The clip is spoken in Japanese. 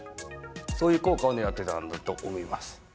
そういう効果を狙ってたんだと思います。